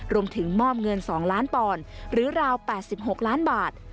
รวมถึงมอบเงิน๒ล้านปอนด์หรือราว๘๖ล้านบาท